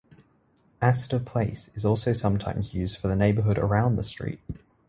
"Astor Place" is also sometimes used for the neighborhood around the street.